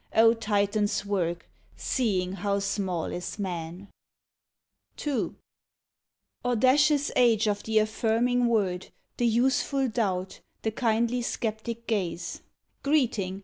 O Titans work, seeing how small is man ! II Audacious age of the affirming word, The useful doubt, the kindly sceptic gaze, Greeting